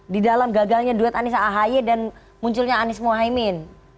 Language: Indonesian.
di dalam gagalnya duet anies ahaye dan munculnya anies mohaimin